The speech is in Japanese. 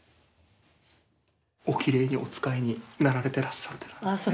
おきれいにお使いになられてらっしゃってます。